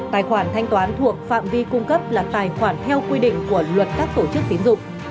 tài khoản thanh toán thuộc phạm vi cung cấp là tài khoản theo quy định của luật các tổ chức tín dụng